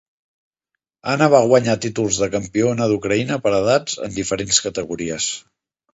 Anna va guanyar títols de campiona d'Ucraïna per edats en diferents categories.